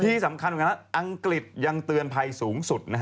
ที่สำคัญกว่านั้นอังกฤษยังเตือนภัยสูงสุด